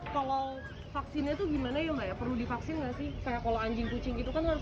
kalau vaksinnya tuh gimana ya perlu divaksin ngasih kayak kalau anjing kucing itu kan harus